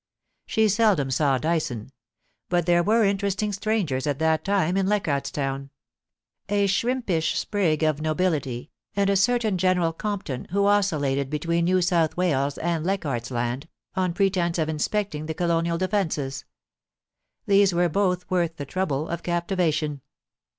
She seldom saw Dyson ; but there were interesting strangers at that time in Leichardt's Town — a shrimpish sprig of nobility, and a 220 POLICY AND PASSION. certain General Compton, who oscillated between New South Wales and Leichardt^s Land, on pretence of inspecting the colonial defences. These were both worth the trouble of captivation.